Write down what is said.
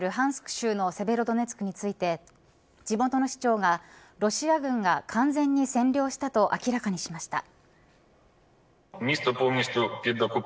州のセベロドネツクについて地元の市長がロシア軍が完全に占領したと明らかにしました。